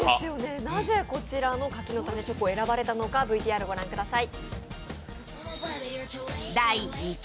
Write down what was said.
なぜこちらの柿の種チョコが選ばれたのかご覧ください。